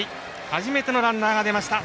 初めてのランナーが出ました。